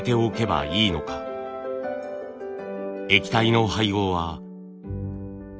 液体の配合は。